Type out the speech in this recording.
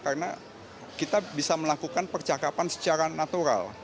karena kita bisa melakukan percakapan secara natural